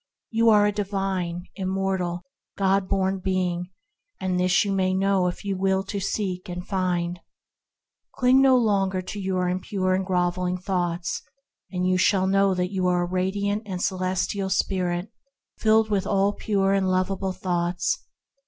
You are a divine, immortal, God born being, and this you may know if you will to seek and find. Cling no longer to your impure and grovelling thoughts, and you shall know that you are a radiant and celestial spirit, filled with all pure and lovable thoughts.